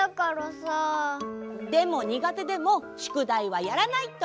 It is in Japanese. でもにがてでもしゅくだいはやらないと！